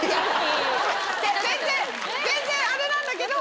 全然あれなんだけど。